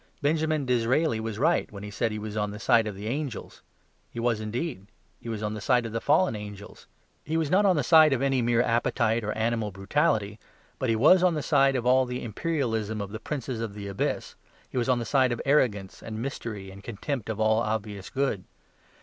Benjamin Disraeli was right when he said he was on the side of the angels. He was indeed; he was on the side of the fallen angels. He was not on the side of any mere appetite or animal brutality; but he was on the side of all the imperialism of the princes of the abyss; he was on the side of arrogance and mystery, and contempt of all obvious good.